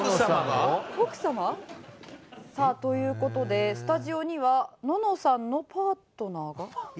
さあという事でスタジオにはののさんのパートナーが。